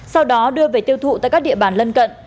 sau đó đưa về tiêu thụ tại các địa bàn lân cận